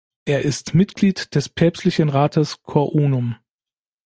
Er ist Mitglied des Päpstlichen Rates "Cor Unum".